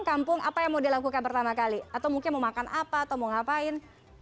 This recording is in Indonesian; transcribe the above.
kampung apa yang mau dilakukan pertama kali atau mungkin mau makan apa atau mau ngapain